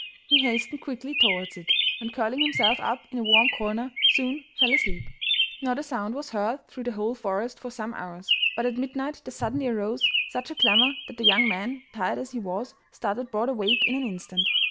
He hastened quickly towards it, and curling himself up in a warm corner soon fell asleep. Not a sound was heard through the whole forest for some hours, but at midnight there suddenly arose such a clamour that the young man, tired as he was, started broad awake in an instant.